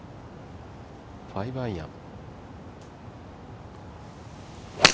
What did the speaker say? ５アイアン。